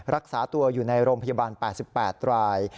รักษาตัวอยู่ในโรงพยาบาล๘๘ราย